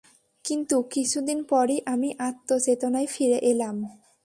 কিন্তু কিছু দিন পরই আমি আত্মচেতনায় ফিরে এলাম।